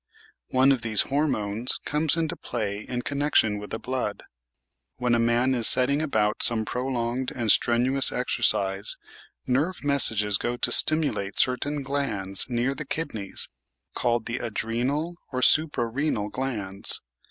One of these "hormones" comes into play in connection with the blood. When a man is setting about some prolonged and strenuous exercise, nerve messages go to stimulate certain glands near the kidneys called the adrenal or suprarenal glands.